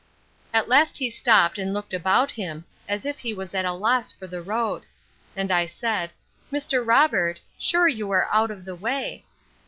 At last he stopped, and looked about him, as if he was at a loss for the road; and I said, Mr. Robert, sure you are out of the way!